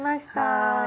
はい。